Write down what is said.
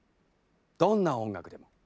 どんな音楽でも。